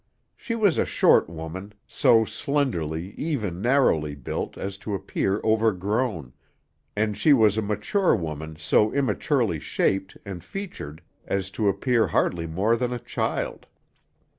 She was a short woman, so slenderly, even narrowly built, as to appear overgrown, and she was a mature woman so immaturely shaped and featured as to appear hardly more than a child.